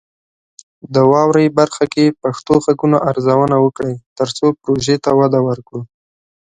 د "واورئ" برخه کې پښتو غږونه ارزونه وکړئ، ترڅو پروژې ته وده ورکړو.